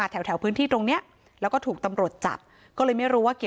เชื่อให้คุณยม